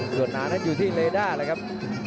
ส่วนหนานั้นอยู่ที่เลด้าเลยครับ